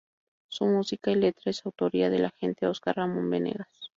Su música y letra es autoría del agente Oscar Ramón Venegas.